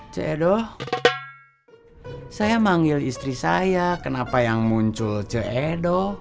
ceedoh saya manggil istri saya kenapa yang muncul ceedoh